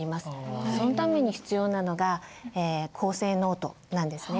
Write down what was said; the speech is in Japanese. そのために必要なのが構成ノートなんですね。